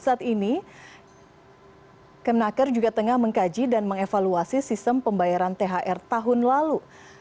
saat ini kemenaker juga tengah mengkaji dan mengevaluasi sistem pembayaran thr tahun lalu